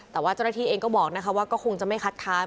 แต่ว่าเจ้าหน้าที่เองก็บอกว่าก็คงจะไม่คัดค้าน